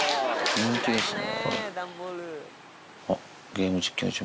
人気ですね。